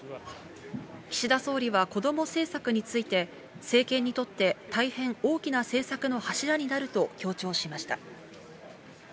岸田総理はこども政策について、政権にとって大変大きな政策の柱になると強調しました。